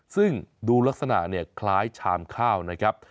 ซึ่งดูลักษณะเนี่ยคล้ายชามข้าวนะครับ